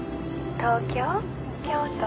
東京？